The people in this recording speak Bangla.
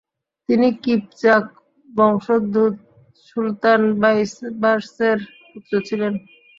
তিনি কিপচাক বংশোদ্ভূত সুলতান বাইবার্সের পুত্র ছিলেন।